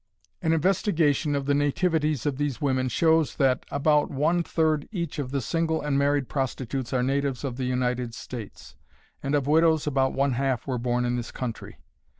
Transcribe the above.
An investigation of the nativities of these women shows that about one third each of the single and married prostitutes are natives of the United States, and of widows about one half were born in this country.